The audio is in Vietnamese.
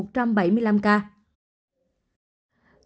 tình hình điều trị